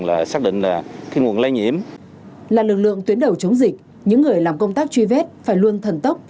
là lực lượng tuyến đầu chống dịch những người làm công tác truy vết phải luôn thần tốc